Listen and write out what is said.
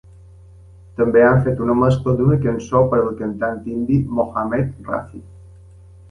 També han fet una mescla d'una cançó per al cantant indi Mohammed Rafi.